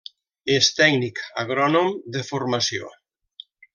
És Tècnic Agrònom de formació.